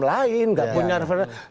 lain gak punya referensi lain